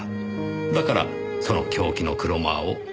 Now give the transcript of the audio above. だからその凶器のクロマーを隠した。